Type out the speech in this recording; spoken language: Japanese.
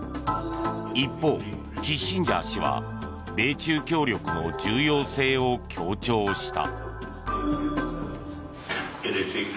一方、キッシンジャー氏は米中協力の重要性を強調しました。